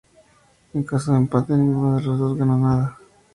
En caso de empate, ninguno de los dos gana nada.